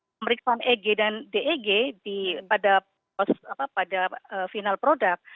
pemeriksaan eg dan deg pada final product